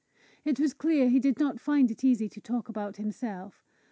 It was clear he did not find it easy to talk about himself.